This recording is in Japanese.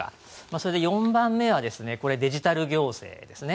それで、４番目はデジタル行政ですね。